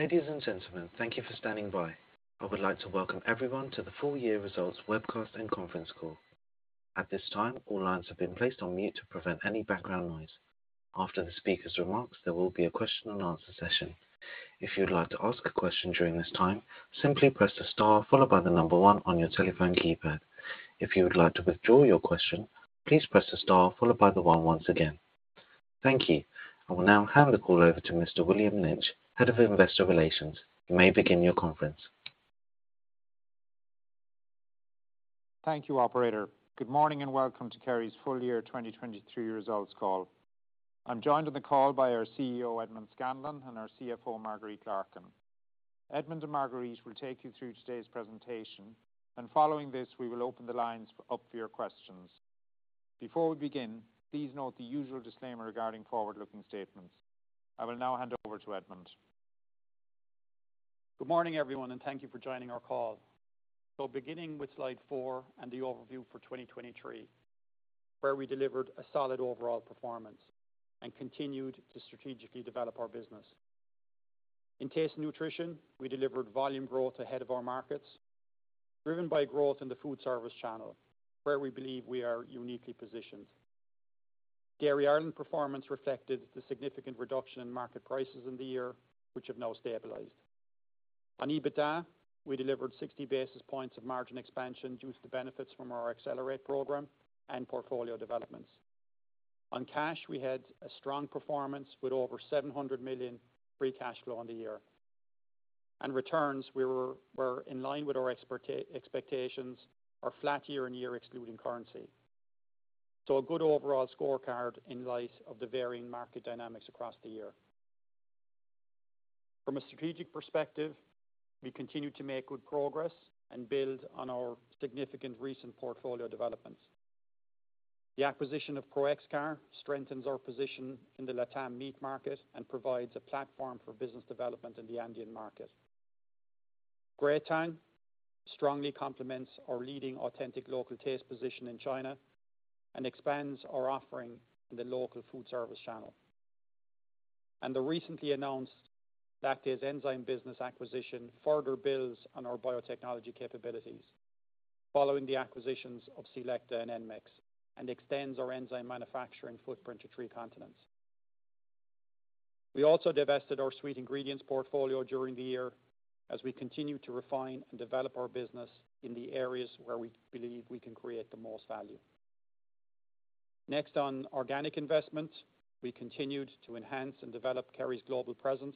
Ladies and gentlemen, thank you for standing by. I would like to welcome everyone to the full-year results webcast conference call. At this time, all lines have been placed on mute to prevent any background noise. After the speaker's remarks, there will be a question-and-answer session. If you would like to ask each question during this time, simply press the star followed by the number 1 on your telephone keypad. If you would like to withdraw your question, please press the star followed by the 1 once again. Thank you. I will now hand the call over to Mr. William Lynch, Head of Investor Relations. You may begin your conference. Thank you, Operator. Good morning and welcome to Kerry's full-year 2023 results call. I'm joined on the call by our CEO, Edmond Scanlon, and our CFO, Marguerite Larkin. Edmond and Marguerite will take you through today's presentation, and following this we will open the lines up for your questions. Before we begin, please note the usual disclaimer regarding forward-looking statements. I will now hand over to Edmond. Good morning, everyone, and thank you for joining our call. Beginning with slide 4 and the overview for 2023, where we delivered a solid overall performance and continued to strategically develop our business. In taste and nutrition, we delivered volume growth ahead of our markets, driven by growth in the food service channel, where we believe we are uniquely positioned. Dairy Ireland performance reflected the significant reduction in market prices in the year, which have now stabilized. On EBITDA, we delivered 60 basis points of margin expansion due to the benefits from our Accelerate program and portfolio developments. On cash, we had a strong performance with over 700 million free cash flow in the year. Returns were in line with our expectations, are flat year-on-year excluding currency, so a good overall scorecard in light of the varying market dynamics across the year. From a strategic perspective, we continue to make good progress and build on our significant recent portfolio developments. The acquisition of Proincar strengthens our position in the LatAm meat market and provides a platform for business development in the Andean market. Greatang strongly complements our leading authentic local taste position in China and expands our offering in the local food service channel. The recently announced Lactase Enzyme business acquisition further builds on our biotechnology capabilities following the acquisitions of c-LEcta and Enmex and extends our enzyme manufacturing footprint to three continents. We also divested our sweet ingredients portfolio during the year as we continue to refine and develop our business in the areas where we believe we can create the most value. Next, on organic investments, we continued to enhance and develop Kerry's global presence,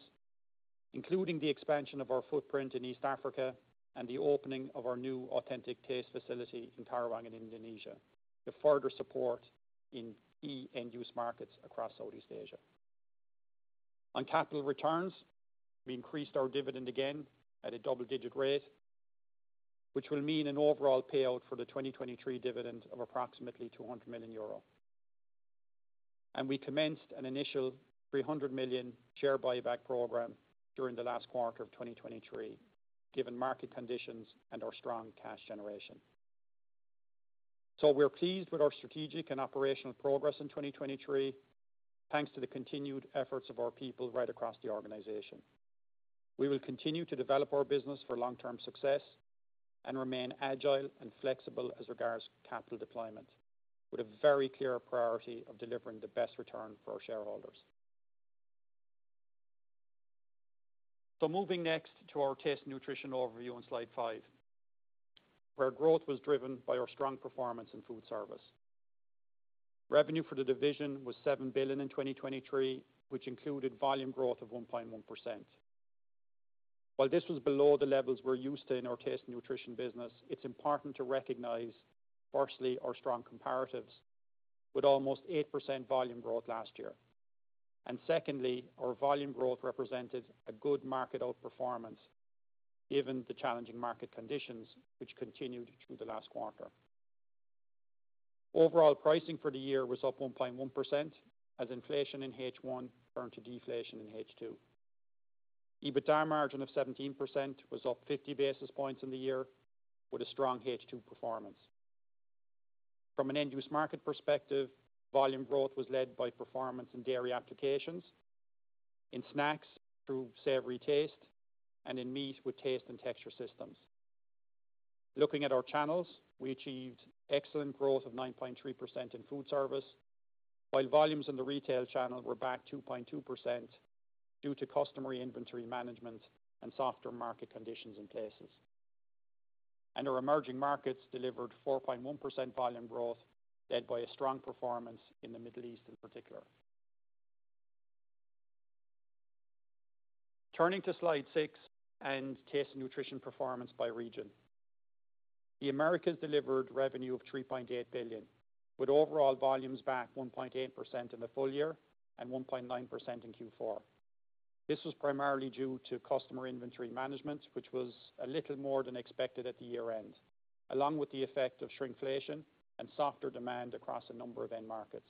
including the expansion of our footprint in East Africa and the opening of our new authentic taste facility in Karawang in Indonesia to further support in key end-use markets across Southeast Asia. On capital returns, we increased our dividend again at a double-digit rate, which will mean an overall payout for the 2023 dividend of approximately 200 million euro. We commenced an initial 300 million share buyback program during the last quarter of 2023, given market conditions and our strong cash generation. We're pleased with our strategic and operational progress in 2023, thanks to the continued efforts of our people right across the organization. We will continue to develop our business for long-term success and remain agile and flexible as regards capital deployment, with a very clear priority of delivering the best return for our shareholders. Moving next to our Taste & Nutrition overview on slide 5, where growth was driven by our strong performance in Food Service. Revenue for the division was 7 billion in 2023, which included volume growth of 1.1%. While this was below the levels we're used to in our Taste & Nutrition business, it's important to recognize, firstly, our strong comparatives with almost 8% volume growth last year. Secondly, our volume growth represented a good market outperformance given the challenging market conditions, which continued through the last quarter. Overall pricing for the year was up 1.1% as inflation in H1 turned to deflation in H2. EBITDA margin of 17% was up 50 basis points in the year with a strong H2 performance. From an End-Use Market perspective, volume growth was led by performance in dairy applications, in snacks through savory taste, and in meat with taste and texture systems. Looking at our channels, we achieved excellent growth of 9.3% in Food Service, while volumes in the retail channel were back 2.2% due to customary inventory management and softer market conditions in places. Our emerging markets delivered 4.1% volume growth led by a strong performance in the Middle East in particular. Turning to slide 6 and Taste and Nutrition performance by region, the Americas delivered revenue of 3.8 billion with overall volumes back 1.8% in the full year and 1.9% in Q4. This was primarily due to customer inventory management, which was a little more than expected at the year end, along with the effect of shrinkflation and softer demand across a number of end markets.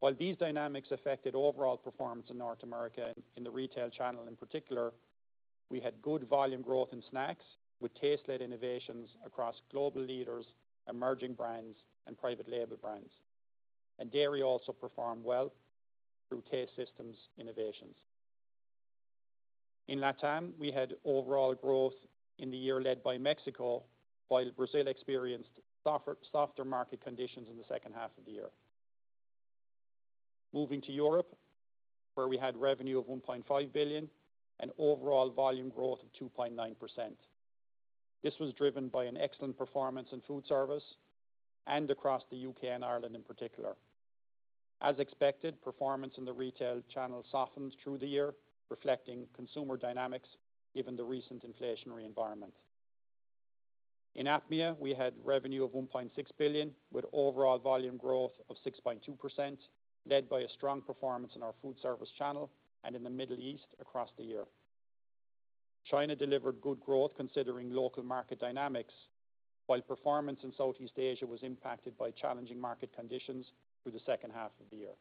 While these dynamics affected overall performance in North America and in the retail channel in particular, we had good volume growth in snacks with taste-led innovations across global leaders, emerging brands, and private label brands. Dairy also performed well through taste systems innovations. In LatAm, we had overall growth in the year led by Mexico, while Brazil experienced softer market conditions in the second half of the year. Moving to Europe, where we had revenue of 1.5 billion and overall volume growth of 2.9%. This was driven by an excellent performance in food service and across the U.K. and Ireland in particular. As expected, performance in the retail channel softened through the year, reflecting consumer dynamics given the recent inflationary environment. In APMEA, we had revenue of 1.6 billion with overall volume growth of 6.2% led by a strong performance in our Food Service channel and in the Middle East across the year. China delivered good growth considering local market dynamics, while performance in Southeast Asia was impacted by challenging market conditions through the second half of the year.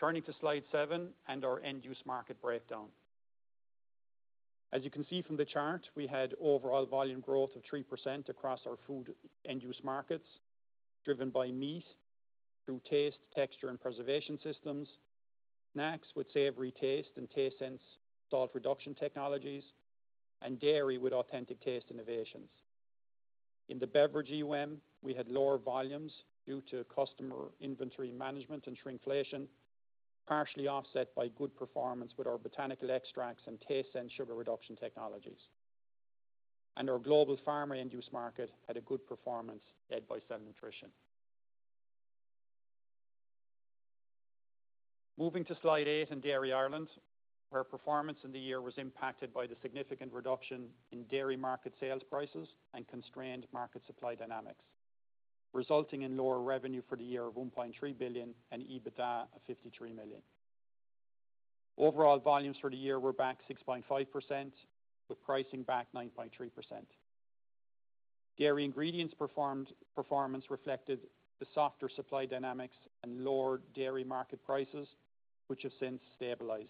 Turning to slide 7 and our end-use market breakdown. As you can see from the chart, we had overall volume growth of 3% across our food end-use markets, driven by meat through taste, texture, and preservation systems, snacks with savory taste and tastesense salt reduction technologies, and dairy with authentic taste innovations. In the beverage EUM, we had lower volumes due to customer inventory management and shrinkflation, partially offset by good performance with our botanical extracts and taste sense sugar reduction technologies. Our global farm end-use market had a good performance led by cell nutrition. Moving to slide 8 and Dairy Ireland, where performance in the year was impacted by the significant reduction in dairy market sales prices and constrained market supply dynamics, resulting in lower revenue for the year of 1.3 billion and EBITDA of 53 million. Overall volumes for the year were back 6.5%, with pricing back 9.3%. Dairy ingredients performance reflected the softer supply dynamics and lower dairy market prices, which have since stabilized,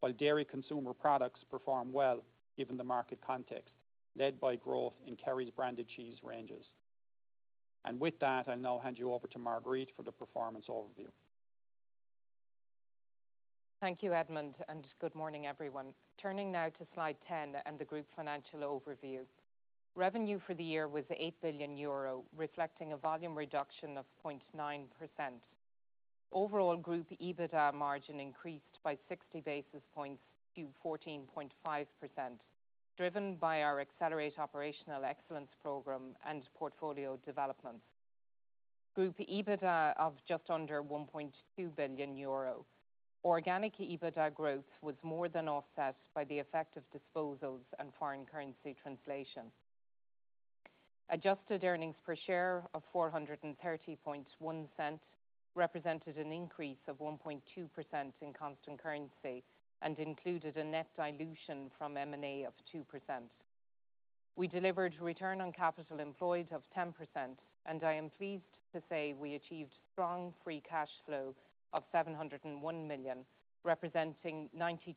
while dairy consumer products performed well given the market context led by growth in Kerry's branded cheese ranges. With that, I'll now hand you over to Marguerite for the performance overview. Thank you, Edmond, and good morning, everyone. Turning now to slide 10 and the group financial overview. Revenue for the year was 8 billion euro, reflecting a volume reduction of 0.9%. Overall group EBITDA margin increased by 60 basis points to 14.5%, driven by our Accelerate operational excellence program and portfolio developments. Group EBITDA of just under 1.2 billion euro. Organic EBITDA growth was more than offset by the effect of disposals and foreign currency translation. Adjusted earnings per share of 430.1% represented an increase of 1.2% in constant currency and included a net dilution from M&A of 2%. We delivered return on capital employed of 10%, and I am pleased to say we achieved strong free cash flow of 701 million, representing 92%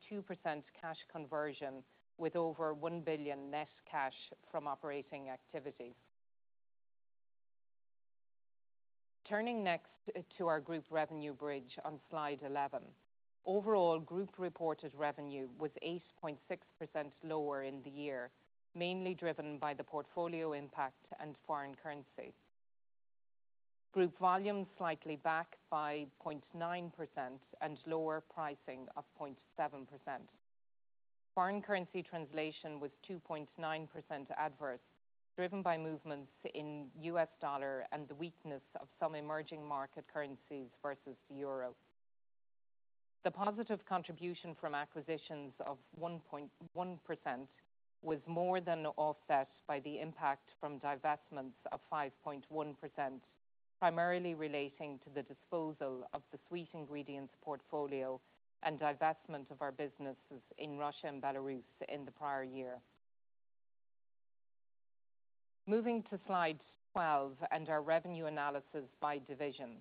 cash conversion with over 1 billion net cash from operating activities. Turning next to our group revenue bridge on slide 11, overall group reported revenue was 8.6% lower in the year, mainly driven by the portfolio impact and foreign currency. Group volume slightly back by 0.9% and lower pricing of 0.7%. Foreign currency translation was 2.9% adverse, driven by movements in U.S. dollar and the weakness of some emerging market currencies versus the euro. The positive contribution from acquisitions of 1.1% was more than offset by the impact from divestments of 5.1%, primarily relating to the disposal of the sweet ingredients portfolio and divestment of our businesses in Russia and Belarus in the prior year. Moving to slide 12 and our revenue analysis by division.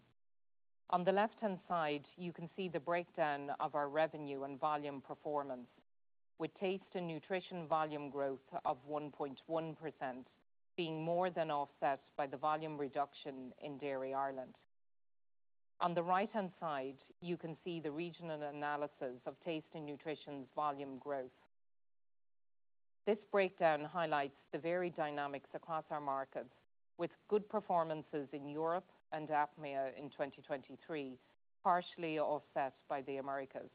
On the left-hand side, you can see the breakdown of our revenue and volume performance, with taste and nutrition volume growth of 1.1% being more than offset by the volume reduction in Dairy Ireland. On the right-hand side, you can see the regional analysis of Taste & Nutrition's volume growth. This breakdown highlights the varied dynamics across our markets, with good performances in Europe and APMEA in 2023 partially offset by the Americas.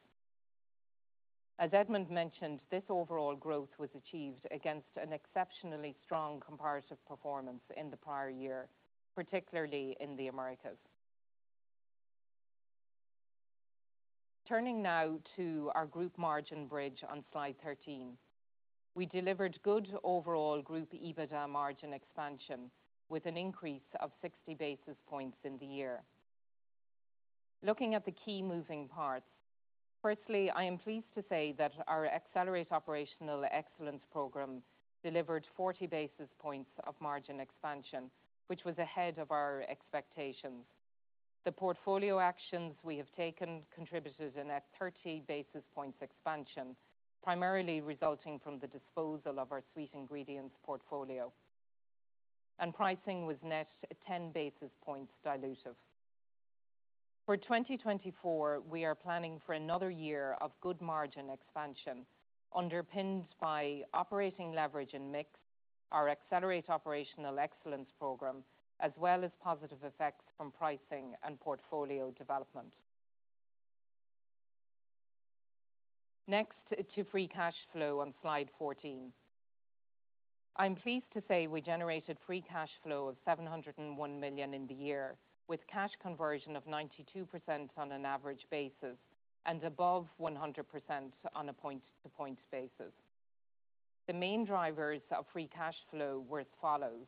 As Edmond mentioned, this overall growth was achieved against an exceptionally strong comparative performance in the prior year, particularly in the Americas. Turning now to our group margin bridge on slide 13, we delivered good overall group EBITDA margin expansion with an increase of 60 basis points in the year. Looking at the key moving parts, firstly, I am pleased to say that our Accelerate operational excellence program delivered 40 basis points of margin expansion, which was ahead of our expectations. The portfolio actions we have taken contributed a net 30 basis points expansion, primarily resulting from the disposal of our sweet ingredients portfolio, and pricing was net 10 basis points dilutive. For 2024, we are planning for another year of good margin expansion underpinned by operating leverage in mix, our Accelerate operational excellence program, as well as positive effects from pricing and portfolio development. Next to free cash flow on slide 14, I'm pleased to say we generated free cash flow of 701 million in the year, with cash conversion of 92% on an average basis and above 100% on a point-to-point basis. The main drivers of free cash flow were as follows.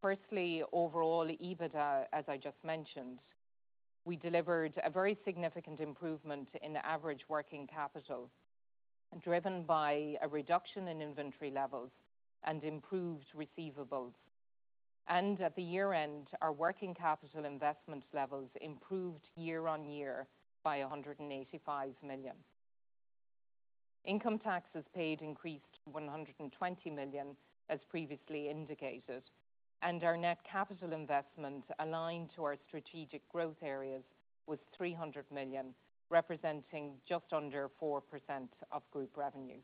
Firstly, overall EBITDA, as I just mentioned, we delivered a very significant improvement in average working capital, driven by a reduction in inventory levels and improved receivables. At the year end, our working capital investment levels improved year-on-year by 185 million. Income taxes paid increased to 120 million, as previously indicated, and our net capital investment aligned to our strategic growth areas was 300 million, representing just under 4% of group revenue.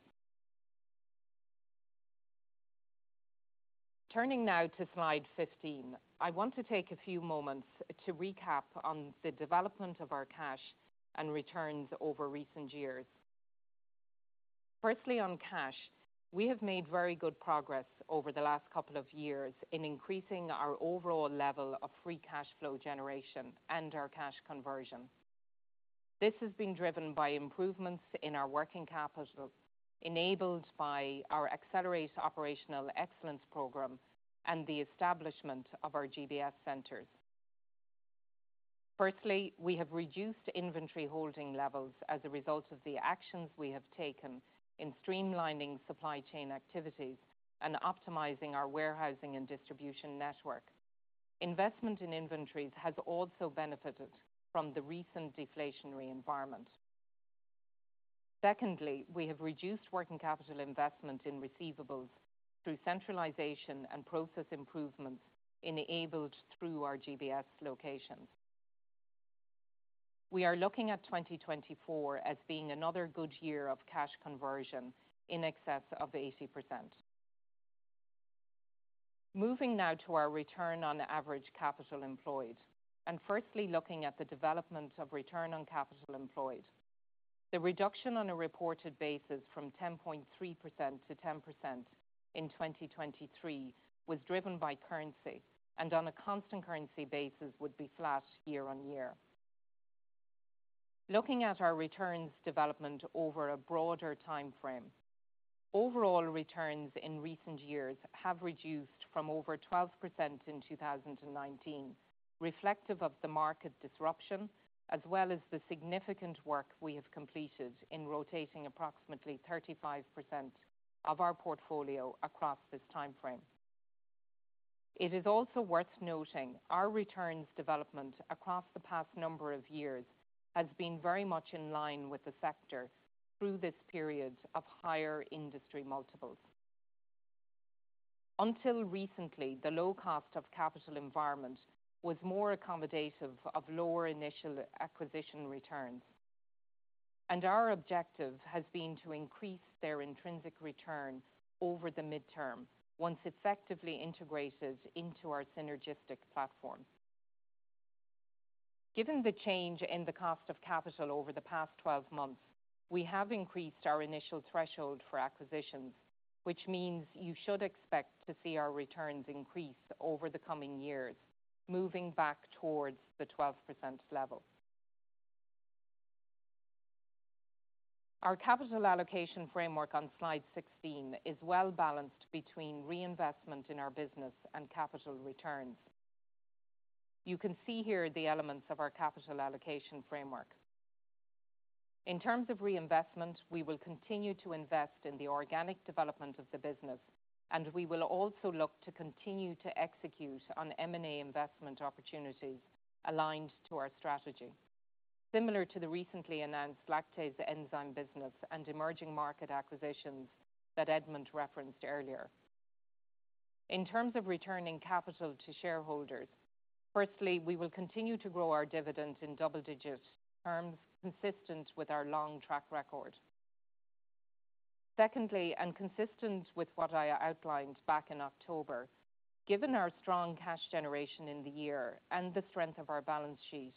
Turning now to slide 15, I want to take a few moments to recap on the development of our cash and returns over recent years. Firstly, on cash, we have made very good progress over the last couple of years in increasing our overall level of free cash flow generation and our cash conversion. This has been driven by improvements in our working capital, enabled by our Accelerate operational excellence program and the establishment of our GBS centers. Firstly, we have reduced inventory holding levels as a result of the actions we have taken in streamlining supply chain activities and optimizing our warehousing and distribution network. Investment in inventories has also benefited from the recent deflationary environment. Secondly, we have reduced working capital investment in receivables through centralization and process improvements enabled through our GBS locations. We are looking at 2024 as being another good year of cash conversion in excess of 80%. Moving now to our return on average capital employed, and firstly looking at the development of return on capital employed. The reduction on a reported basis from 10.3%-10% in 2023 was driven by currency and on a constant currency basis would be flat year-on-year. Looking at our returns development over a broader time frame, overall returns in recent years have reduced from over 12% in 2019, reflective of the market disruption as well as the significant work we have completed in rotating approximately 35% of our portfolio across this time frame. It is also worth noting our returns development across the past number of years has been very much in line with the sector through this period of higher industry multiples. Until recently, the low cost of capital environment was more accommodative of lower initial acquisition returns, and our objective has been to increase their intrinsic return over the midterm once effectively integrated into our synergistic platform. Given the change in the cost of capital over the past 12 months, we have increased our initial threshold for acquisitions, which means you should expect to see our returns increase over the coming years, moving back towards the 12% level. Our capital allocation framework on slide 16 is well balanced between reinvestment in our business and capital returns. You can see here the elements of our capital allocation framework. In terms of reinvestment, we will continue to invest in the organic development of the business, and we will also look to continue to execute on M&A investment opportunities aligned to our strategy, similar to the recently announced lactase enzyme business and emerging market acquisitions that Edmond referenced earlier. In terms of returning capital to shareholders, firstly, we will continue to grow our dividend in double-digit terms consistent with our long track record. Secondly, and consistent with what I outlined back in October, given our strong cash generation in the year and the strength of our balance sheet,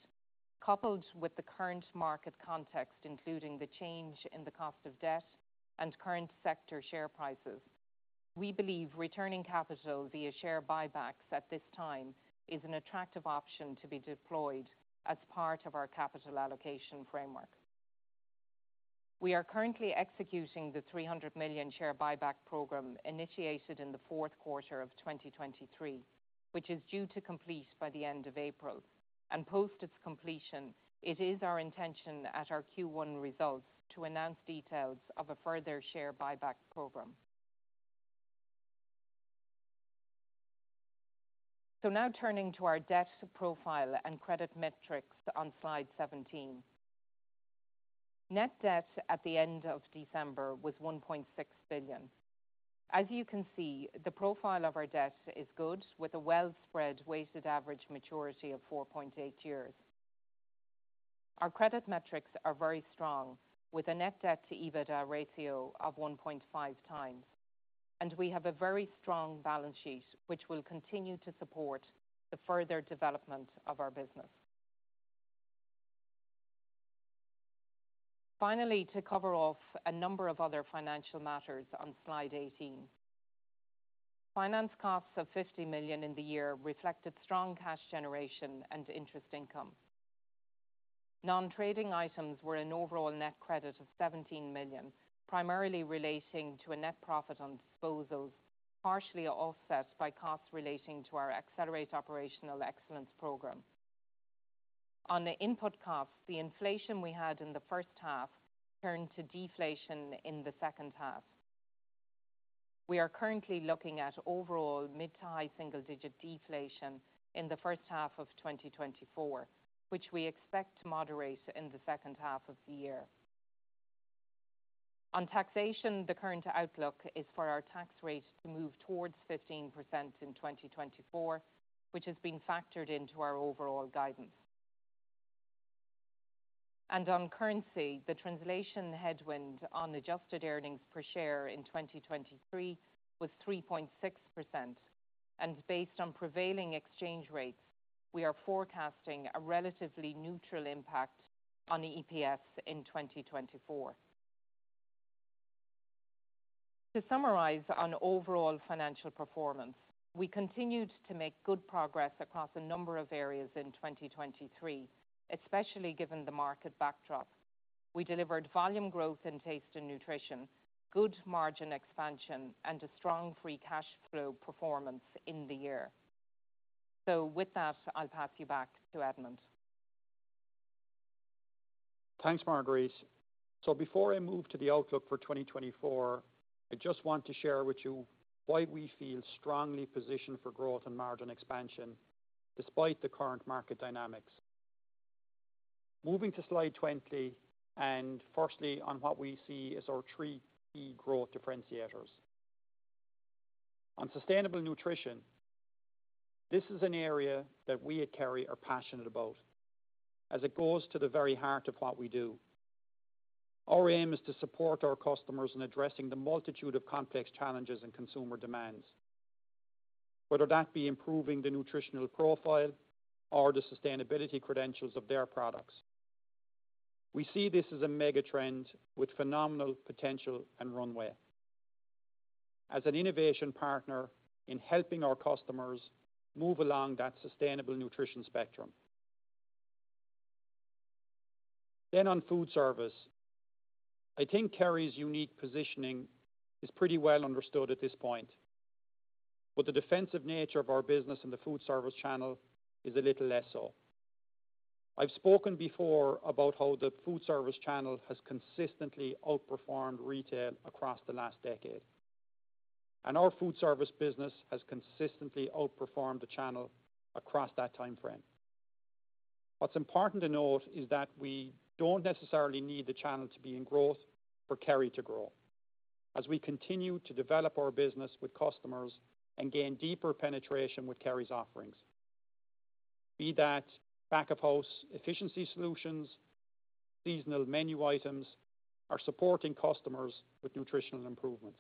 coupled with the current market context including the change in the cost of debt and current sector share prices, we believe returning capital via share buybacks at this time is an attractive option to be deployed as part of our capital allocation framework. We are currently executing the 300 million share buyback program initiated in the fourth quarter of 2023, which is due to complete by the end of April, and post its completion, it is our intention at our Q1 results to announce details of a further share buyback program. Now turning to our debt profile and credit metrics on slide 17. Net debt at the end of December was 1.6 billion. As you can see, the profile of our debt is good with a well-spread weighted average maturity of 4.8 years. Our credit metrics are very strong with a net debt to EBITDA ratio of 1.5 times, and we have a very strong balance sheet which will continue to support the further development of our business. Finally, to cover off a number of other financial matters on slide 18. Finance costs of 50 million in the year reflected strong cash generation and interest income. Non-trading items were an overall net credit of 17 million, primarily relating to a net profit on disposals, partially offset by costs relating to our Accelerate operational excellence program. On the input costs, the inflation we had in the first half turned to deflation in the second half. We are currently looking at overall mid- to high single-digit deflation in the first half of 2024, which we expect to moderate in the second half of the year. On taxation, the current outlook is for our tax rate to move towards 15% in 2024, which has been factored into our overall guidance. On currency, the translation headwind on adjusted earnings per share in 2023 was 3.6%, and based on prevailing exchange rates, we are forecasting a relatively neutral impact on the EPS in 2024. To summarize on overall financial performance, we continued to make good progress across a number of areas in 2023, especially given the market backdrop. We delivered volume growth in taste and nutrition, good margin expansion, and a strong free cash flow performance in the year. With that, I'll pass you back to Edmond. Thanks, Marguerite. Before I move to the outlook for 2024, I just want to share with you why we feel strongly positioned for growth and margin expansion despite the current market dynamics. Moving to slide 20, and firstly on what we see as our three key growth differentiators. On Sustainable Nutrition, this is an area that we at Kerry are passionate about as it goes to the very heart of what we do. Our aim is to support our customers in addressing the multitude of complex challenges and consumer demands, whether that be improving the nutritional profile or the sustainability credentials of their products. We see this as a mega trend with phenomenal potential and runway as an innovation partner in helping our customers move along that Sustainable Nutrition spectrum. On food service, I think Kerry's unique positioning is pretty well understood at this point, but the defensive nature of our business in the food service channel is a little less so. I've spoken before about how the food service channel has consistently outperformed retail across the last decade, and our food service business has consistently outperformed the channel across that time frame. What's important to note is that we don't necessarily need the channel to be in growth for Kerry to grow as we continue to develop our business with customers and gain deeper penetration with Kerry's offerings, be that back-of-house efficiency solutions, seasonal menu items are supporting customers with nutritional improvements.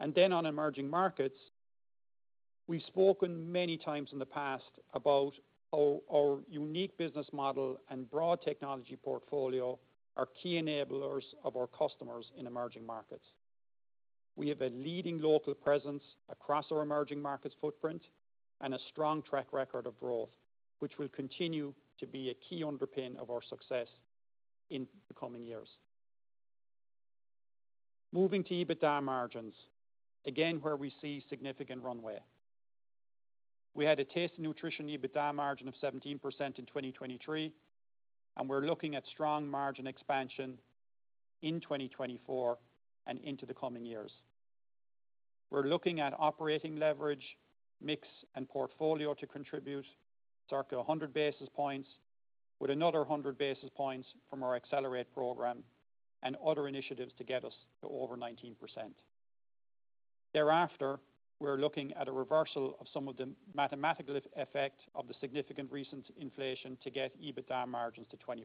On emerging markets, we've spoken many times in the past about our unique business model and broad technology portfolio are key enablers of our customers in emerging markets. We have a leading local presence across our emerging markets footprint and a strong track record of growth, which will continue to be a key underpin of our success in the coming years. Moving to EBITDA margins, again where we see significant runway. We had a taste and nutrition EBITDA margin of 17% in 2023, and we're looking at strong margin expansion in 2024 and into the coming years. We're looking at operating leverage, mix, and portfolio to contribute circa 100 basis points with another 100 basis points from our Accelerate program and other initiatives to get us to over 19%. Thereafter, we're looking at a reversal of some of the mathematical effect of the significant recent inflation to get EBITDA margins to 20%.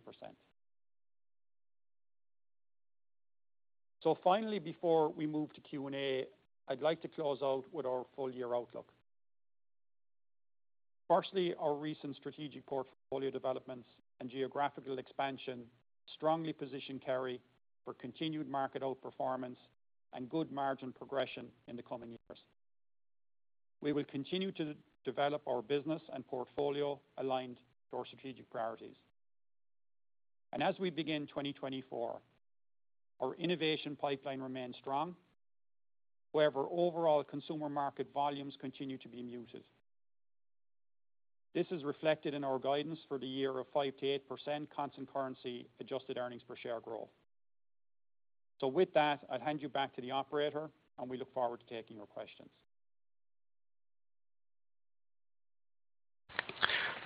Finally, before we move to Q&A, I'd like to close out with our full year outlook. Firstly, our recent strategic portfolio developments and geographical expansion strongly position Kerry for continued market outperformance and good margin progression in the coming years. We will continue to develop our business and portfolio aligned to our strategic priorities. As we begin 2024, our innovation pipeline remains strong. However, overall consumer market volumes continue to be muted. This is reflected in our guidance for the year of 5%-8% constant currency adjusted earnings per share growth. With that, I'll hand you back to the operator, and we look forward to taking your questions.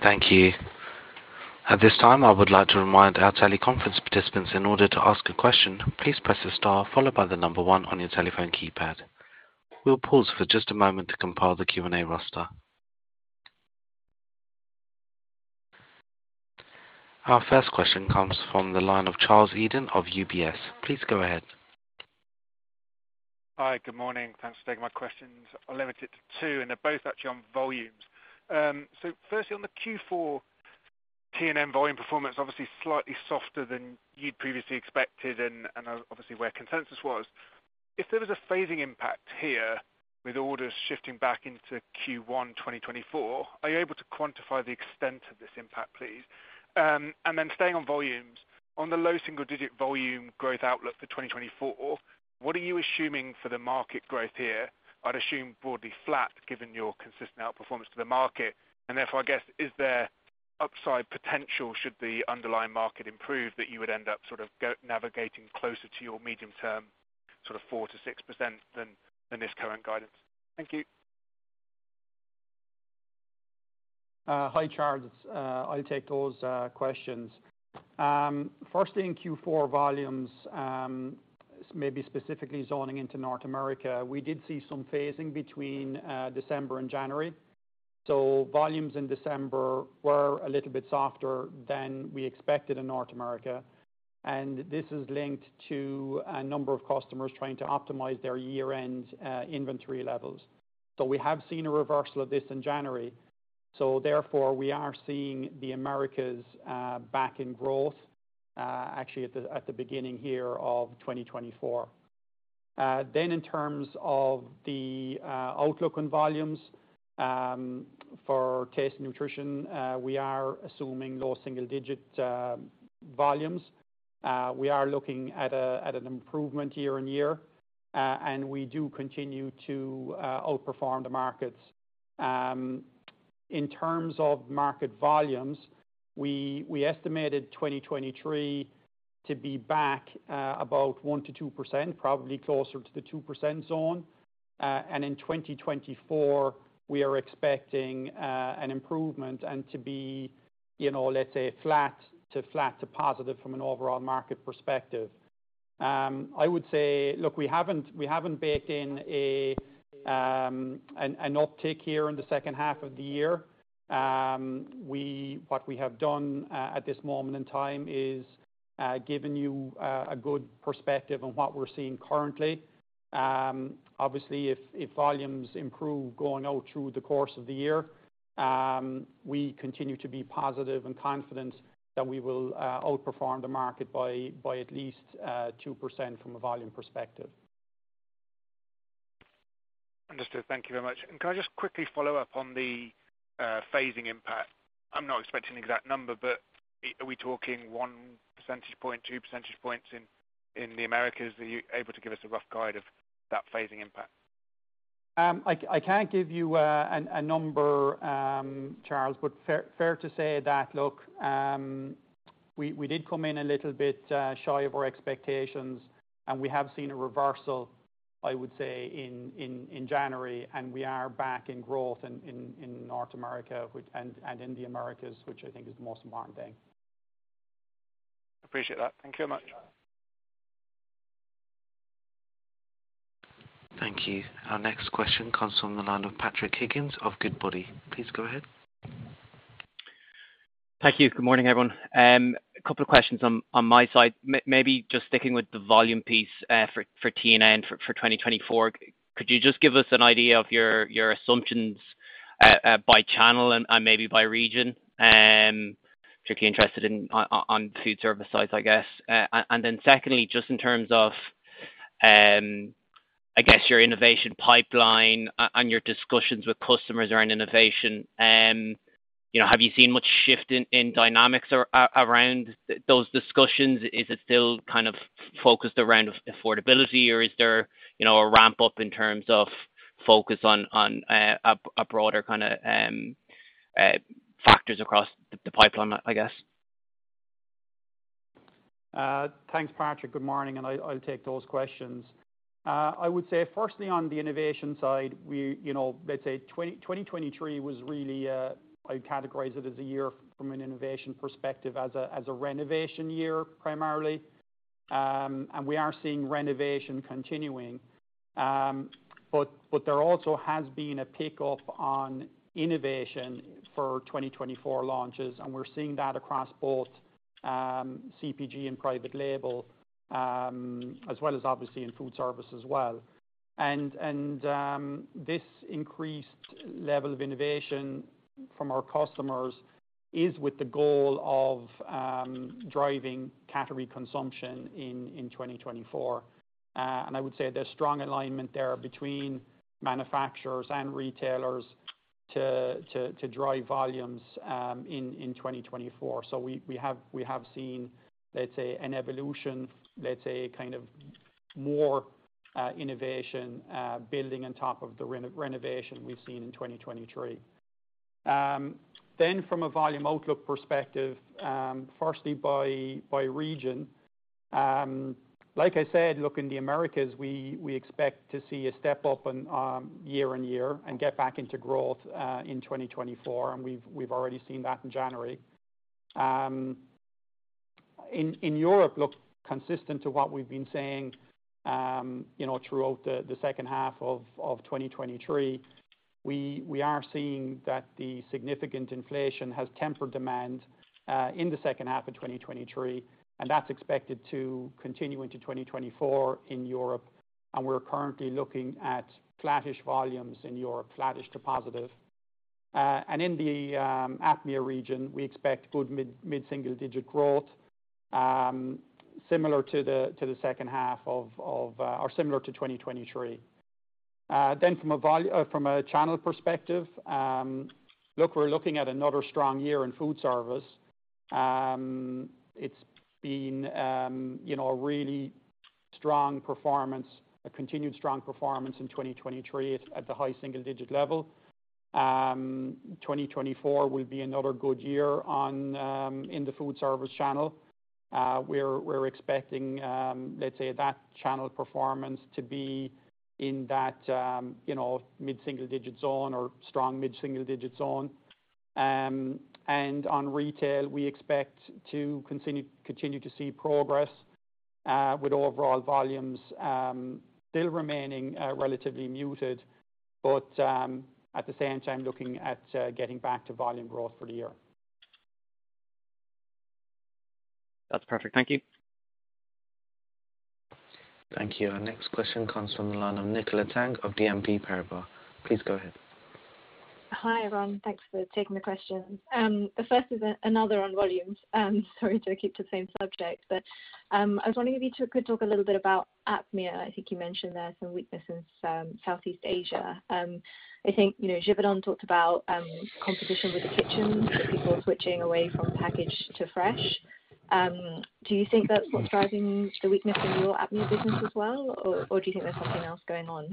Thank you. At this time, I would like to remind our teleconference participants in order to ask a question, please press the star followed by the number one on your telephone keypad. We'll pause for just a moment to compile the Q&A roster. Our first question comes from the line of Charles Eden of UBS. Please go ahead. Hi. Good morning. Thanks for taking my questions. I'll limit it to two, and they're both actually on volumes. Firstly, on the Q4, T&N volume performance obviously slightly softer than you'd previously expected and obviously where consensus was. If there was a phasing impact here with orders shifting back into Q1 2024, are you able to quantify the extent of this impact, please. Then staying on volumes, on the low single-digit volume growth outlook for 2024, what are you assuming for the market growth here? I'd assume broadly flat given your consistent outperformance to the market. Therefore, I guess, is there upside potential should the underlying market improve that you would end up sort of navigating closer to your medium-term sort of 4%-6% than this current guidance? Thank you. Hi Charles. I'll take those questions. Firstly, in Q4 volumes, maybe specifically zoning into North America, we did see some phasing between December and January. Volumes in December were a little bit softer than we expected in North America, and this is linked to a number of customers trying to optimize their year-end inventory levels. We have seen a reversal of this in January. Therefore, we are seeing the Americas back in growth actually at the beginning here of 2024. Then in terms of the outlook on volumes for taste and nutrition, we are assuming low single-digit volumes. We are looking at an improvement year-on-year, and we do continue to outperform the markets. In terms of market volumes, we estimated 2023 to be back about 1%-2%, probably closer to the 2% zone. In 2024, we are expecting an improvement and to be, let's say, flat to flat to positive from an overall market perspective. I would say, look, we haven't baked in an uptick here in the second half of the year. What we have done at this moment in time is given you a good perspective on what we're seeing currently. Obviously, if volumes improve going out through the course of the year, we continue to be positive and confident that we will outperform the market by at least 2% from a volume perspective. Understood. Thank you very much. Can I just quickly follow up on the phasing impact? I'm not expecting an exact number, but are we talking 1 percentage point, 2 percentage points in the Americas? Are you able to give us a rough guide of that phasing impact? I can't give you a number, Charles, but fair to say that, look, we did come in a little bit shy of our expectations, and we have seen a reversal, I would say, in January, and we are back in growth in North America and in the Americas, which I think is the most important thing. Appreciate that. Thank you very much. Thank you. Our next question comes from the line of Patrick Higgins of Goodbody. Please go ahead. Thank you. Good morning, everyone. A couple of questions on my side. Maybe just sticking with the volume piece for T&N for 2024, could you just give us an idea of your assumptions by channel and maybe by region, particularly interested in on the food service side, I guess? Then secondly, just in terms of, I guess, your innovation pipeline and your discussions with customers around innovation, have you seen much shift in dynamics around those discussions? Is it still kind of focused around affordability, or is there a ramp-up in terms of focus on a broader kind of factors across the pipeline, I guess? Thanks, Patrick. Good morning. I'll take those questions. I would say, firstly, on the innovation side, let's say 2023 was really, I would categorize it as a year from an innovation perspective as a renovation year primarily. We are seeing renovation continuing. There also has been a pickup on innovation for 2024 launches, and we're seeing that across both CPG and Private Label, as well as obviously in Food Service as well. This increased level of innovation from our customers is with the goal of driving catering consumption in 2024. I would say there's strong alignment there between manufacturers and retailers to drive volumes in 2024. We have seen, let's say, an evolution, let's say, kind of more innovation building on top of the renovation we've seen in 2023. From a volume outlook perspective, firstly by region, like I said, look, in the Americas, we expect to see a step up year-on-year and get back into growth in 2024. We've already seen that in January. In Europe, look, consistent to what we've been saying throughout the second half of 2023, we are seeing that the significant inflation has tempered demand in the second half of 2023, and that's expected to continue into 2024 in Europe. We're currently looking at flattish volumes in Europe, flattish to positive. In the APMEA region, we expect good mid-single-digit growth similar to the second half of, or similar to, 2023. From a channel perspective, look, we're looking at another strong year in food service. It's been a really strong performance, a continued strong performance in 2023 at the high single-digit level. 2024 will be another good year in the Food Service channel. We're expecting, let's say, that channel performance to be in that mid-single-digit zone or strong mid-single-digit zone. On retail, we expect to continue to see progress with overall volumes still remaining relatively muted, but at the same time, looking at getting back to volume growth for the year. That's perfect. Thank you. Thank you. Our next question comes from the line of Nicola Tang of BNP Paribas. Please go ahead. Hi, everyone. Thanks for taking the question. The first is another on volumes. Sorry to keep to the same subject, but I was wondering if you could talk a little bit about APMEA. I think you mentioned there some weakness in Southeast Asia. I think Givaudan talked about competition with the kitchens, people switching away from packaged to fresh. Do you think that's what's driving the weakness in your APMEA business as well, or do you think there's something else going on?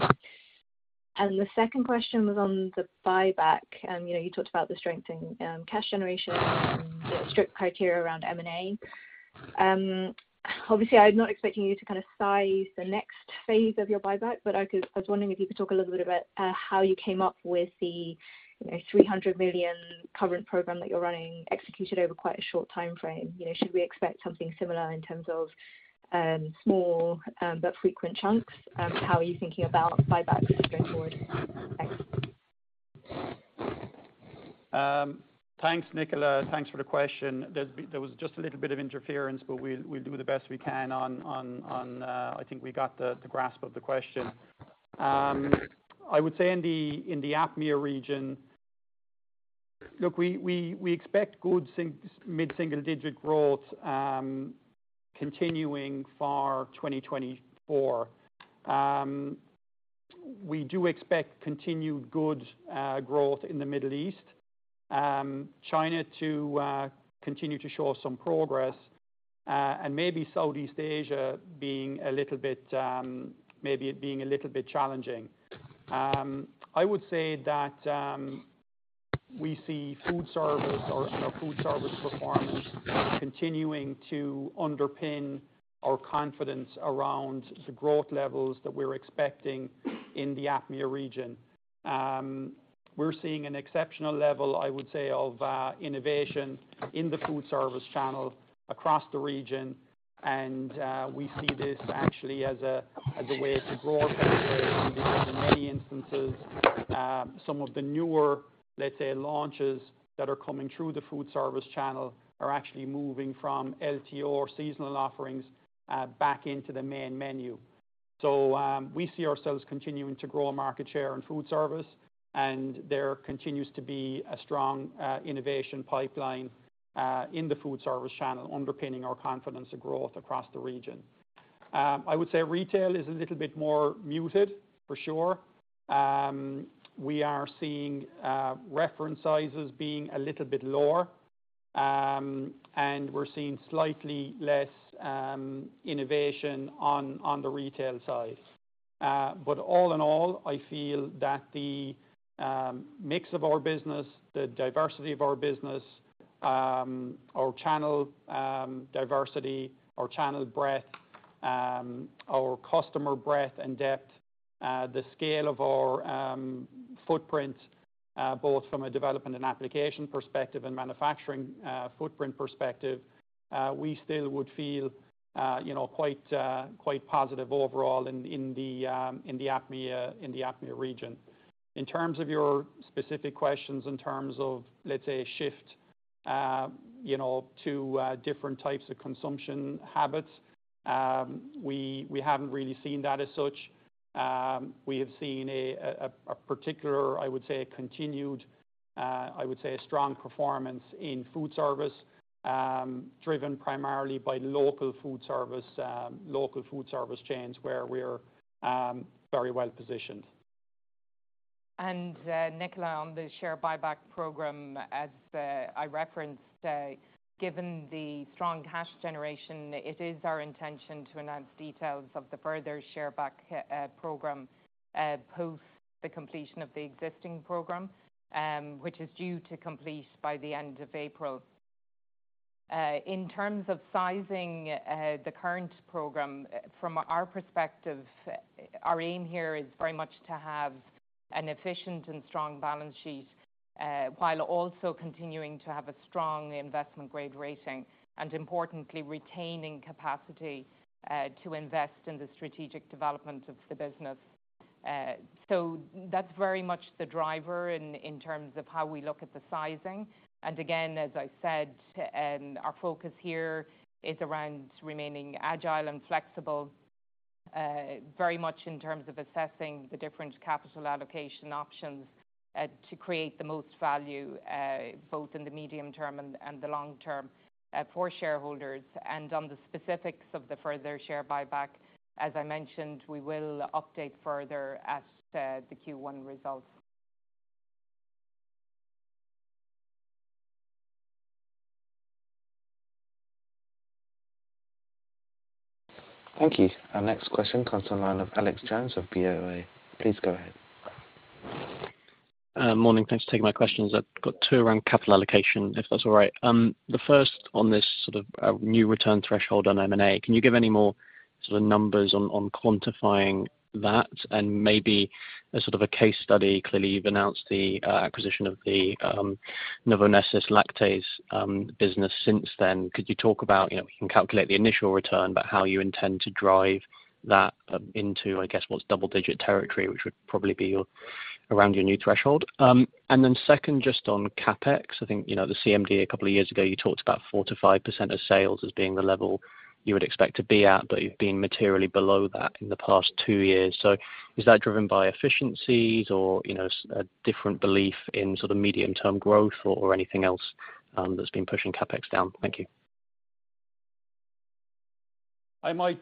The second question was on the buyback. You talked about the strengthening cash generation and strict criteria around M&A. Obviously, I'm not expecting you to kind of size the next phase of your buyback, but I was wondering if you could talk a little bit about how you came up with the 300 million current program that you're running executed over quite a short timeframe. Should we expect something similar in terms of small but frequent chunks? How are you thinking about buybacks going forward? Thanks. Thanks, Nikola. Thanks for the question. There was just a little bit of interference, but we'll do the best we can. I think we got the grasp of the question. I would say in the APMEA region, look, we expect good mid-single-digit growth continuing for 2024. We do expect continued good growth in the Middle East, China to continue to show some progress, and maybe Southeast Asia being a little bit maybe being a little bit challenging. I would say that we see food service or food service performance continuing to underpin our confidence around the growth levels that we're expecting in the APMEA region. We're seeing an exceptional level, I would say, of innovation in the food service channel across the region. We see this actually as a way to grow our pipeline because in many instances, some of the newer, let's say, launches that are coming through the food service channel are actually moving from LTO seasonal offerings back into the main menu. We see ourselves continuing to grow our market share in food service, and there continues to be a strong innovation pipeline in the food service channel underpinning our confidence in growth across the region. I would say retail is a little bit more muted, for sure. We are seeing portion sizes being a little bit lower, and we're seeing slightly less innovation on the retail side. All in all, I feel that the mix of our business, the diversity of our business, our channel diversity, our channel breadth, our customer breadth and depth, the scale of our footprint, both from a development and application perspective and manufacturing footprint perspective, we still would feel quite positive overall in the APMEA region. In terms of your specific questions, in terms of, let's say, a shift to different types of consumption habits, we haven't really seen that as such. We have seen a particular, I would say, continued, I would say, strong performance in Food Service driven primarily by local Food Service, local Food Service chains where we're very well positioned. Nikola, on the share buyback program, as I referenced, given the strong cash generation, it is our intention to announce details of the further share buyback program post the completion of the existing program, which is due to complete by the end of April. In terms of sizing the current program, from our perspective, our aim here is very much to have an efficient and strong balance sheet while also continuing to have a strong investment-grade rating and, importantly, retaining capacity to invest in the strategic development of the business. That's very much the driver in terms of how we look at the sizing. Again, as I said, our focus here is around remaining agile and flexible, very much in terms of assessing the different capital allocation options to create the most value both in the medium term and the long term for shareholders. On the specifics of the further share buyback, as I mentioned, we will update further at the Q1 results. Thank you. Our next question comes from the line of Alex Jones of BOA. Please go ahead. Morning. Thanks for taking my questions. I've got two around capital allocation, if that's all right. The first on this sort of new return threshold on M&A, can you give any more sort of numbers on quantifying that and maybe sort of a case study? Clearly, you've announced the acquisition of the Novonesis lactase business since then. Could you talk about we can calculate the initial return, but how you intend to drive that into, I guess, what's double-digit territory, which would probably be around your new threshold? Then second, just on CapEx, I think the CMD a couple of years ago, you talked about 4%-5% of sales as being the level you would expect to be at, but you've been materially below that in the past two years. Is that driven by efficiencies or a different belief in sort of medium-term growth or anything else that's been pushing CapEx down? Thank you. I might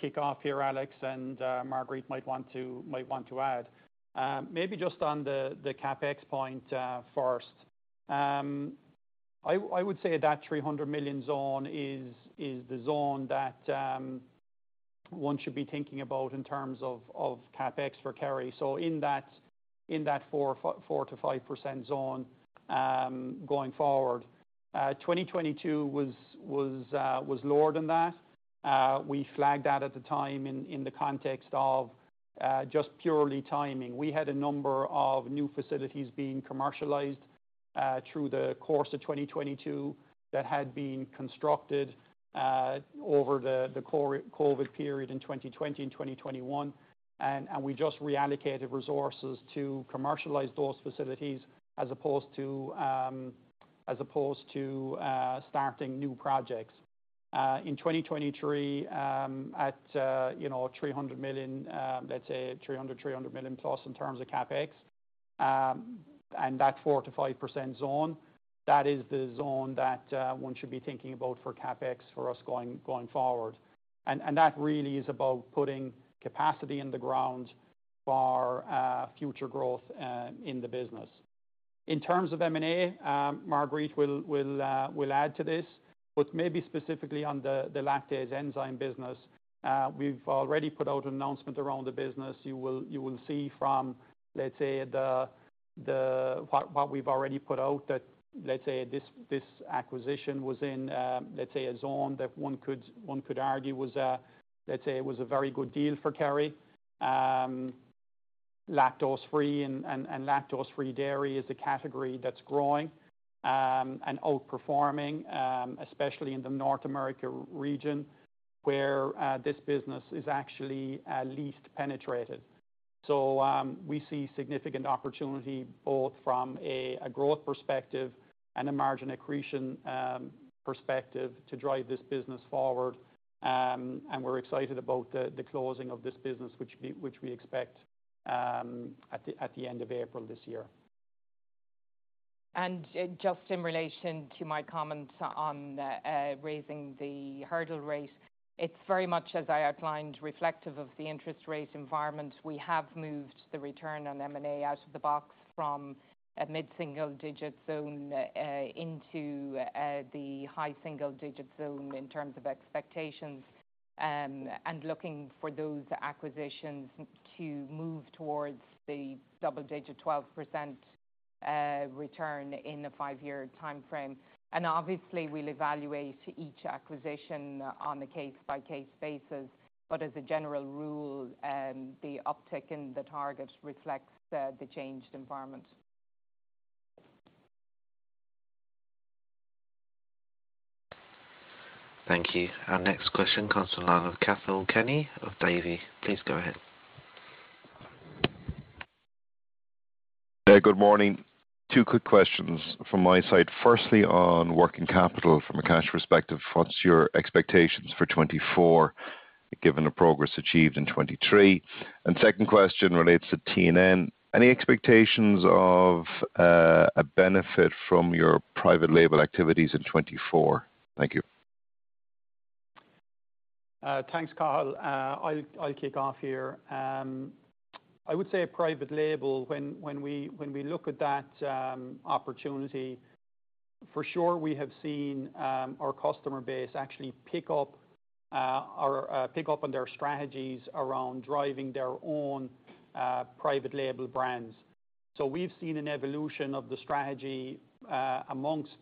kick off here, Alex, and Marguerite might want to add. Maybe just on the CapEx point first, I would say that 300 million zone is the zone that one should be thinking about in terms of CapEx for Kerry. In that 4%-5% zone going forward, 2022 was lower than that. We flagged that at the time in the context of just purely timing. We had a number of new facilities being commercialized through the course of 2022 that had been constructed over the COVID period in 2020 and 2021. We just reallocated resources to commercialize those facilities as opposed to starting new projects. In 2023, at 300 million, let's say 300, 300 million plus in terms of CapEx, and that 4%-5% zone, that is the zone that one should be thinking about for CapEx for us going forward. That really is about putting capacity in the ground for future growth in the business. In terms of M&A, Marguerite will add to this, but maybe specifically on the lactase enzyme business, we've already put out an announcement around the business. You will see from, let's say, what we've already put out that, let's say, this acquisition was in, let's say, a zone that one could argue was, let's say, it was a very good deal for Kerry. Lactose-free and lactose-free dairy is a category that's growing and outperforming, especially in the North America region where this business is actually least penetrated. We see significant opportunity both from a growth perspective and a margin accretion perspective to drive this business forward. We're excited about the closing of this business, which we expect at the end of April this year. Just in relation to my comments on raising the hurdle rate, it's very much, as I outlined, reflective of the interest rate environment. We have moved the return on M&A out of the box from a mid-single-digit zone into the high single-digit zone in terms of expectations and looking for those acquisitions to move towards the double-digit 12% return in a five-year timeframe. Obviously, we'll evaluate each acquisition on a case-by-case basis. As a general rule, the uptick in the target reflects the changed environment. Thank you. Our next question comes from the line of Catherine Kenny of Davy. Please go ahead. Hey, good morning. Two quick questions from my side. Firstly, on working capital from a cash perspective, what's your expectations for 2024 given the progress achieved in 2023? And second question relates to T&N. Any expectations of a benefit from your Private Label activities in 2024? Thank you. Thanks, Cath. I'll kick off here. I would say a private label, when we look at that opportunity, for sure, we have seen our customer base actually pick up on their strategies around driving their own private label brands. We've seen an evolution of the strategy amongst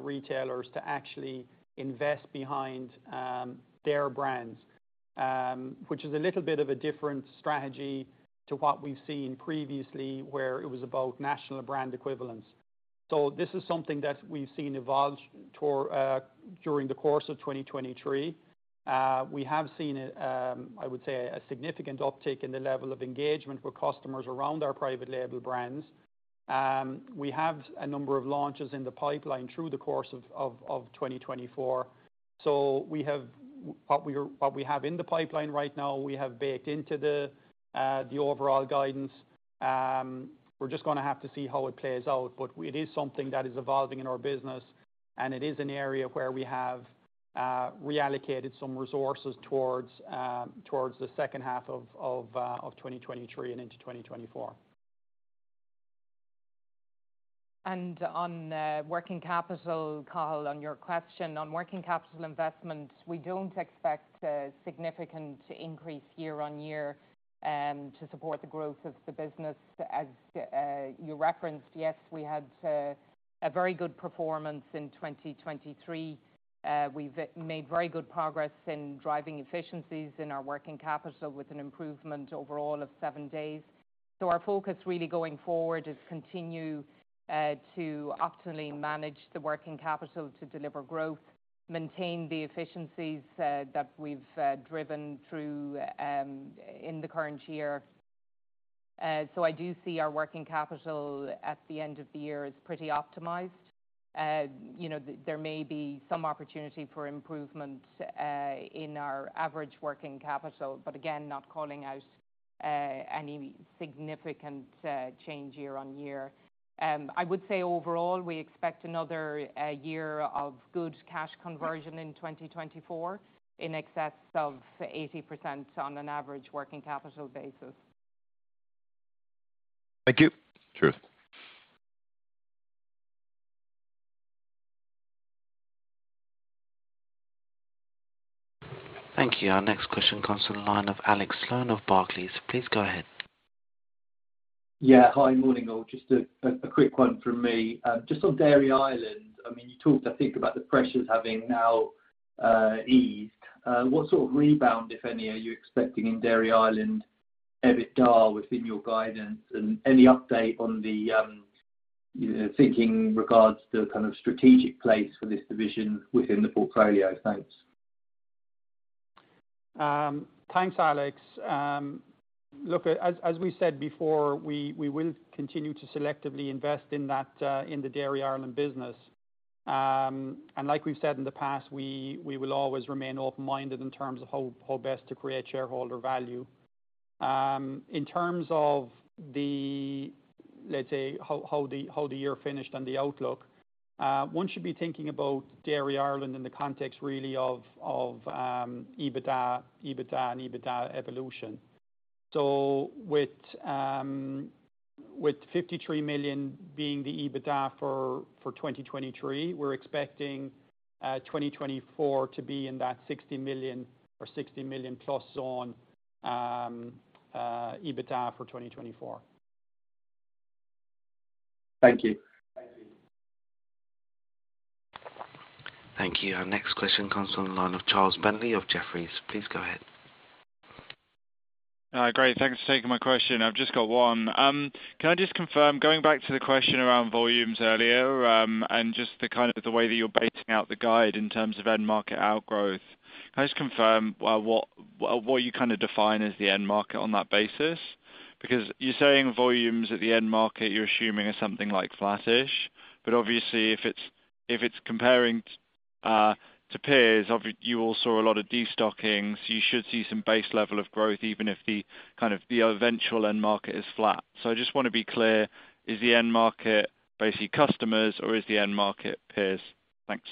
retailers to actually invest behind their brands, which is a little bit of a different strategy to what we've seen previously where it was about national brand equivalence. This is something that we've seen evolve during the course of 2023. We have seen, I would say, a significant uptick in the level of engagement with customers around our private label brands. We have a number of launches in the pipeline through the course of 2024. What we have in the pipeline right now, we have baked into the overall guidance. We're just going to have to see how it plays out. It is something that is evolving in our business, and it is an area where we have reallocated some resources towards the second half of 2023 and into 2024. On working capital, Cath, on your question on working capital investment, we don't expect a significant increase year-on-year to support the growth of the business. As you referenced, yes, we had a very good performance in 2023. We've made very good progress in driving efficiencies in our working capital with an improvement overall of seven days. Our focus really going forward is to continue to optimally manage the working capital to deliver growth, maintain the efficiencies that we've driven through in the current year. I do see our working capital at the end of the year as pretty optimized. There may be some opportunity for improvement in our average working capital, but again, not calling out any significant change year-on-year. I would say overall, we expect another year of good cash conversion in 2024 in excess of 80% on an average working capital basis. Thank you. Thank you. Our next question comes from the line of Alex Sloan of Barclays. Please go ahead. Yeah. Hi, morning, all. Just a quick one from me. Just on Dairy Ireland, I mean, you talked, I think, about the pressures having now eased. What sort of rebound, if any, are you expecting in Dairy Ireland, EBITDA, within your guidance, and any update on the thinking regards the kind of strategic place for this division within the portfolio? Thanks. Thanks, Alex. Look, as we said before, we will continue to selectively invest in the Dairy Ireland business. Like we've said in the past, we will always remain open-minded in terms of how best to create shareholder value. In terms of the, let's say, how the year finished and the outlook, one should be thinking about Dairy Island in the context really of EBITDA and EBITDA evolution. with 53 million being the EBITDA for 2023, we're expecting 2024 to be in that 60 million or 60 million-plus zone EBITDA for 2024. Thank you. Thank you. Our next question comes from the line of Charles Bentley of Jefferies. Please go ahead. Great. Thanks for taking my question. I've just got one. Can I just confirm, going back to the question around volumes earlier and just the kind of the way that you're basing out the guide in terms of end-market outgrowth, can I just confirm what you kind of define as the end market on that basis? Because you're saying volumes at the end market, you're assuming are something like flattish. Obviously, if it's comparing to peers, you all saw a lot of destocking, so you should see some base level of growth even if kind of the eventual end market is flat. I just want to be clear, is the end market basically customers, or is the end market peers? Thanks.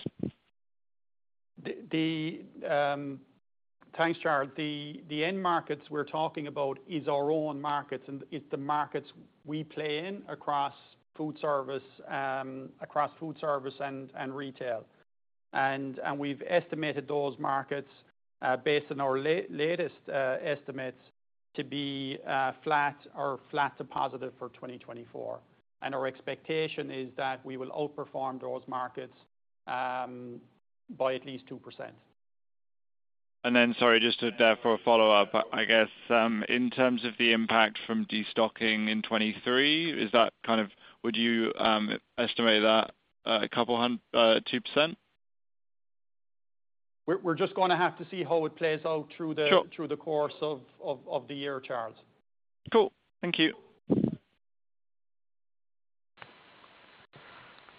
Thanks, Charles. The end markets we're talking about is our own markets, and it's the markets we play in across food service and retail. We've estimated those markets based on our latest estimates to be flat or flat to positive for 2024. Our expectation is that we will outperform those markets by at least 2%. Sorry, just for a follow-up, I guess, in terms of the impact from destocking in 2023, is that kind of would you estimate that a couple 2%? We're just going to have to see how it plays out through the course of the year, Charles. Cool. Thank you.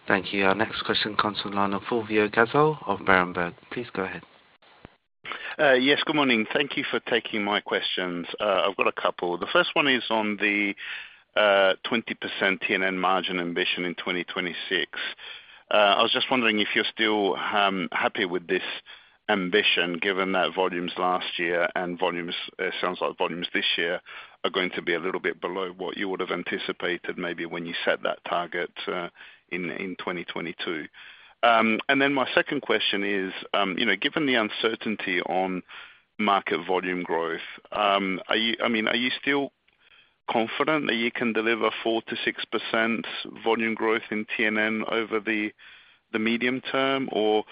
Thank you. Our next question comes from the line of Fulvio Cazzol of Berenberg. Please go ahead. Yes, good morning. Thank you for taking my questions. I've got a couple. The first one is on the 20% T&N margin ambition in 2026. I was just wondering if you're still happy with this ambition given that volumes last year and volumes it sounds like volumes this year are going to be a little bit below what you would have anticipated maybe when you set that target in 2022. Then my second question is, given the uncertainty on market volume growth, I mean, are you still confident that you can deliver 4%-6% volume growth in T&N over the medium term, or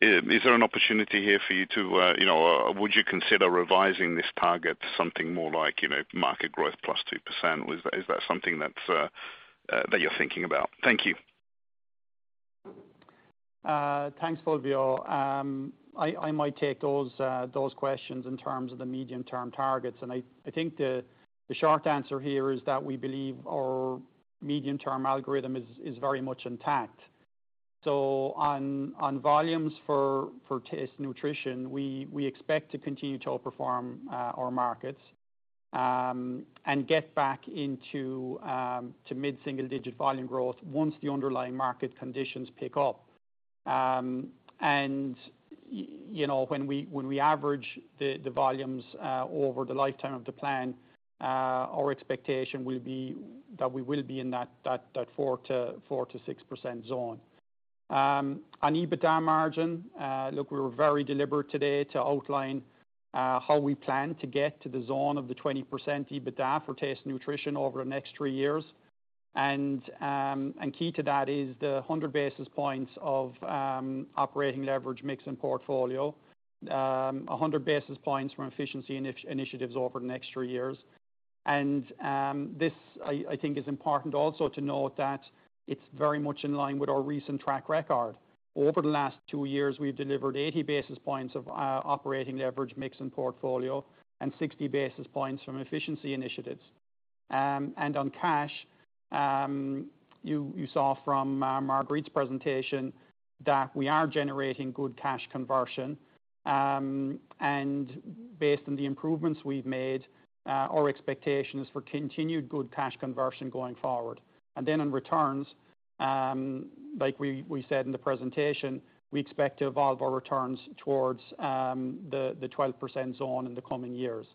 is there an opportunity here for you to would you consider revising this target to something more like market growth plus 2%? Is that something that you're thinking about? Thank you. Thanks, Fulvio. I might take those questions in terms of the medium-term targets. I think the short answer here is that we believe our medium-term algorithm is very much intact. On volumes for taste nutrition, we expect to continue to outperform our markets and get back into mid-single-digit volume growth once the underlying market conditions pick up. When we average the volumes over the lifetime of the plan, our expectation will be that we will be in that 4%-6% zone. On EBITDA margin, look, we were very deliberate today to outline how we plan to get to the zone of the 20% EBITDA for taste nutrition over the next three years. Key to that is the 100 basis points of operating leverage mix and portfolio, 100 basis points from efficiency initiatives over the next three years. This, I think, is important also to note that it's very much in line with our recent track record. Over the last two years, we've delivered 80 basis points of operating leverage mix and portfolio and 60 basis points from efficiency initiatives. On cash, you saw from Marguerite's presentation that we are generating good cash conversion. Based on the improvements we've made, our expectation is for continued good cash conversion going forward. Then on returns, like we said in the presentation, we expect to evolve our returns towards the 12% zone in the coming years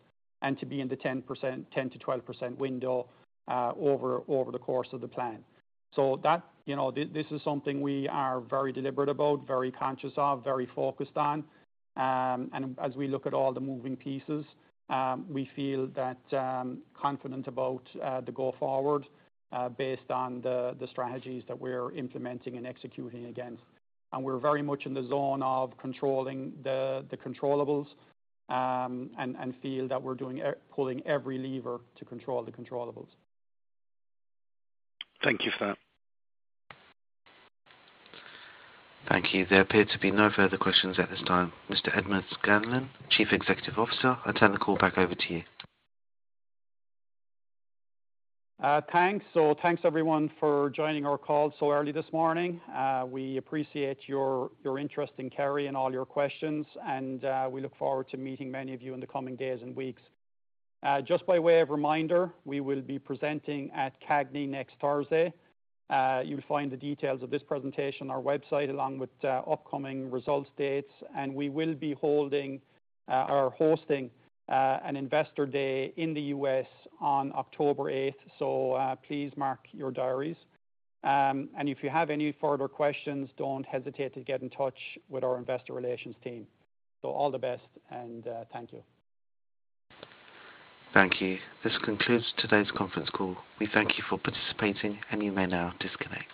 and to be in the 10%-12% window over the course of the plan. This is something we are very deliberate about, very conscious of, very focused on. As we look at all the moving pieces, we feel confident about the go forward based on the strategies that we're implementing and executing against. We're very much in the zone of controlling the controllables and feel that we're pulling every lever to control the controllables. Thank you for that. Thank you. There appear to be no further questions at this time. Mr. Edmond Scanlon, Chief Executive Officer, I turn the call back over to you. Thanks. Thanks, everyone, for joining our call so early this morning. We appreciate your interest in Kerry and all your questions, and we look forward to meeting many of you in the coming days and weeks. Just by way of reminder, we will be presenting at CAGNY next Thursday. You'll find the details of this presentation on our website along with upcoming results dates. We will be holding or hosting an Investor Day in the U.S. on October 8th. Please mark your diaries. If you have any further questions, don't hesitate to get in touch with our investor relations team. All the best, and thank you. Thank you. This concludes today's conference call. We thank you for participating, and you may now disconnect.